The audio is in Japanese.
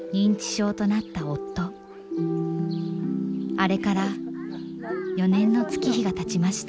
あれから４年の月日がたちました。